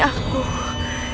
sebagai pembawa ke dunia